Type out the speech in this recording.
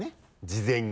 事前に。